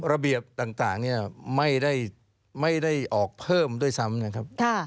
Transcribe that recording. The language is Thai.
ระเบียบต่างนี้ไม่ได้ออกเพิ่มด้วยซ้ำ